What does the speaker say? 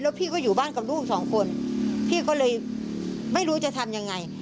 พี่ก็อยู่บ้านกับลูกสองคนพี่ก็เลยไม่รู้จะทำยังไง